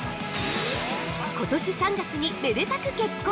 ◆今年３月にめでたく結婚！